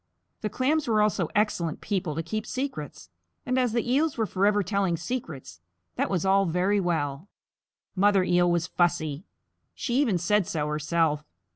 The Clams were also excellent people to keep secrets, and as the Eels were forever telling secrets, that was all very well. Mother Eel was fussy. She even said so herself.